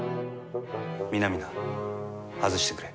皆々外してくれ。